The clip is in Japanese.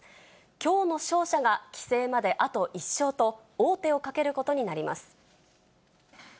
きょうの勝者が棋聖まであと１勝と、王手をかけることになります。